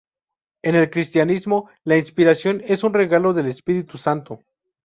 En el cristianismo, la inspiración es un regalo del Espíritu Santo.